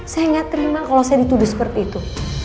saya nggak terima kalau saya dituduh seperti itu